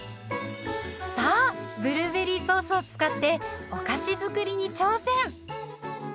さあブルーベリーソースを使ってお菓子作りに挑戦。